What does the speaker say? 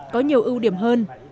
có nhiều ưu điểm hơn